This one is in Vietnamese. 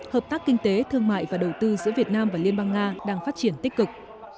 hợp tác kinh tế thương mại và đầu tư giữa việt nam và liên bang nga đang phát triển tích cực